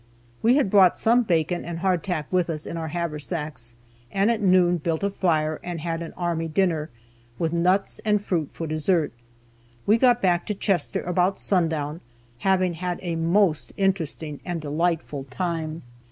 We had brought some bacon and hardtack with us in our haversacks, and at noon built a fire and had an army dinner, with nuts and fruit for dessert. We got back to Chester about sundown, having had a most interesting and delightful time.